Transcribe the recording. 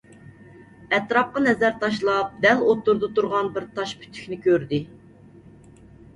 ئەتراپقا نەزەر تاشلاپ، دەل ئوتتۇرىدا تۇرغان بىر تاش پۈتۈكنى كۆردى.